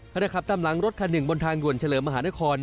ขณะขับตามหลังรถคันหนึ่งบนทางด่วนเฉลิมมหานคร